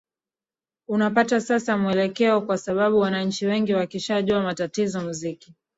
unapata sasa mwelekeo kwa sababu wananchi wengi wakishajua matatizo muziki